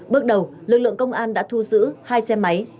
bước đầu lực lượng công an đã thu giữ hai xe máy